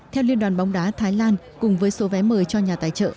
theo liên đoàn bóng đá thái lan cùng với số vé mời cho nhà tài trợ